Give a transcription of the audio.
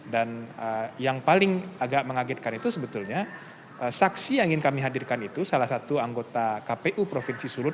dan yang paling agak mengagetkan itu sebetulnya saksi yang ingin kami hadirkan itu salah satu anggota kpu provinsi sulut